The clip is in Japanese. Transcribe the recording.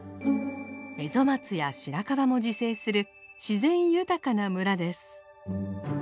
エゾマツやシラカバも自生する自然豊かな村です。